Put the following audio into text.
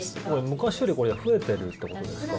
昔より増えてるってことですか？